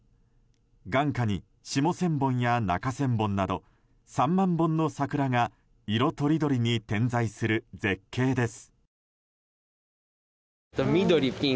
眼下に下千本や中千本など３万本の桜が色とりどりに点在する絶景です。